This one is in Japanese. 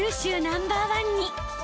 ナンバーワンに］